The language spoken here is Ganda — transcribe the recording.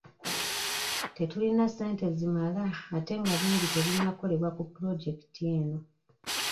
Tetulina ssente zimala ate nga bingi tebinnakolebwa ku pulojekiti eno.